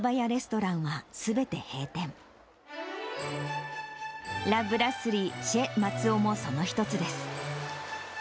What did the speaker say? ラ・ブラッスリー・シェ松尾もその一つです。